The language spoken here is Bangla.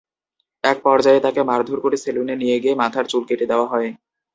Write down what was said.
একপর্যায়ে তাঁকে মারধর করে সেলুনে নিয়ে গিয়ে মাথার চুল কেটে দেওয়া হয়।